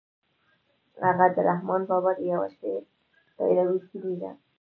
هغه د رحمن بابا د يوه شعر پيروي کړې ده.